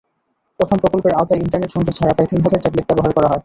প্রথম প্রকল্পের আওতায় ইন্টারনেট সংযোগ ছাড়া প্রায় তিন হাজার ট্যাবলেট ব্যবহার করা হয়।